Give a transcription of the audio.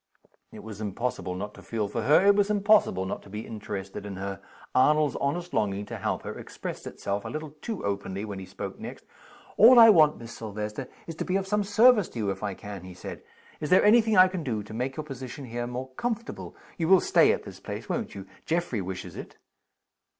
It was impossible not to feel for her it was impossible not to be interested in her. Arnold's honest longing to help her expressed itself a little too openly when he spoke next. "All I want, Miss Silvester, is to be of some service to you, if I can," he said. "Is there any thing I can do to make your position here more comfortable? You will stay at this place, won't you? Geoffrey wishes it."